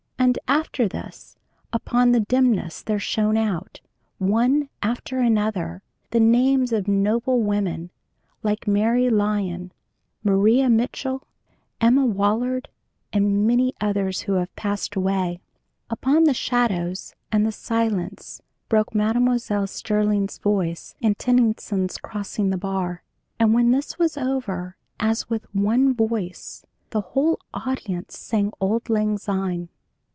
And after this, upon the dimness there shone out, one after another, the names of noble women like Mary Lyon, Maria Mitchell, Emma Willard, and many others who have passed away. Upon the shadows and the silence broke Mme. Sterling's voice in Tennyson's 'Crossing the Bar.' And when this was over, as with one voice, the whole audience sang softly 'Auld Lang Syne.'